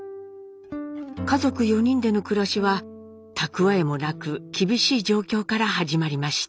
家族４人での暮らしは蓄えもなく厳しい状況から始まりました。